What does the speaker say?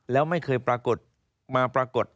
แล้วไม่เคยมาปรากฏ